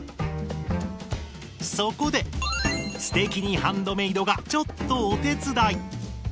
そこで「すてきにハンドメイド」がちょっとお手伝い。